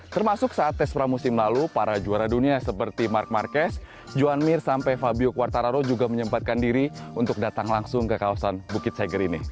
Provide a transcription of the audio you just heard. termasuk saat tes pramusim lalu para juara dunia seperti mark marquez johan mir sampai fabio quartararo juga menyempatkan diri untuk datang langsung ke kawasan bukit seger ini